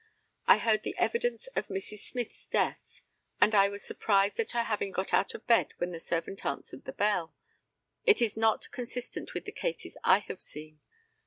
I heard the evidence of Mrs. Smyth's death, and I was surprised at her having got out of bed when the servant answered the bell. It is not consistent with the cases I have seen.